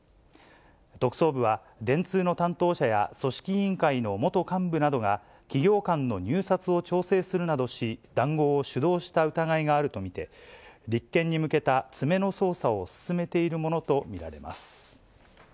特捜部は電通の担当者や、組織委員会の元幹部などが、企業間の入札を調整するなどし、談合を主導した疑いがあると見て、立件に向けた詰めの捜査を進めているものと見られます。